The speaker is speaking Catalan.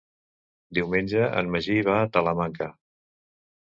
Diumenge en Magí va a Talamanca.